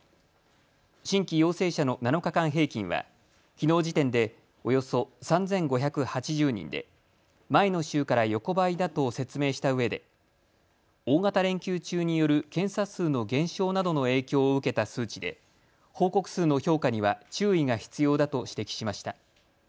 新規陽性者の７日間平均はきのう時点でおよそ３５８０人で前の週から横ばいだと説明したうえで大型連休中による検査数の減少などの影響を受けた数値で報告数の評価には注意が必要だと指摘しました。